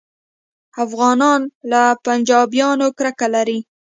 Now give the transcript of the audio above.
افغانان له پنجابیانو کرکه لري